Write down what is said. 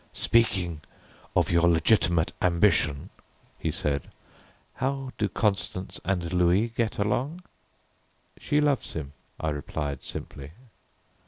"Speaking of your legitimate ambition," he said, "how do Constance and Louis get along?" "She loves him," I replied simply.